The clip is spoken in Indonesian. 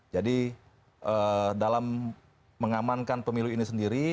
jadi dalam mengamankan pemilu ini sendiri